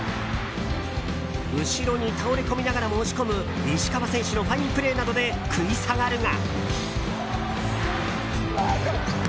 後ろに倒れ込みながらも押し込む石川選手のファインプレーなどで食い下がるが。